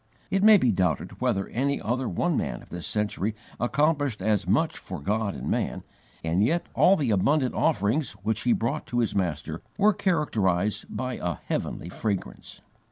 It may be doubted whether any other one man of this century accomplished as much for God and man, and yet all the abundant offerings which he brought to his Master were characterized by a heavenly fragrance.